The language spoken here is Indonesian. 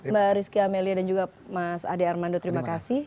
mbak rizky amelia dan juga mas ade armando terima kasih